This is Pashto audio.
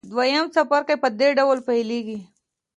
دویم څپرکی په دې ډول پیل کیږي.